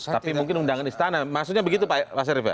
tapi mungkin undangan istana maksudnya begitu pak syarif ya